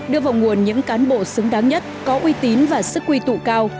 đưa vào nguồn những cán bộ xứng đáng nhất có uy tín và sức quy tụ cao